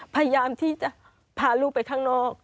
พยายามที่จะพาลูกไปข้างนอก